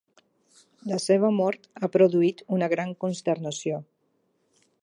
La seva mort ha produït una gran consternació.